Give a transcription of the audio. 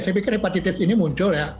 saya pikir hepatitis ini muncul ya